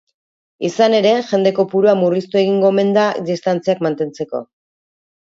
Izan ere, jende kopurua murriztu egingo omen da distantziak mantentzeko.